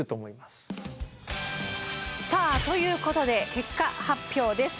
さあということで結果発表です。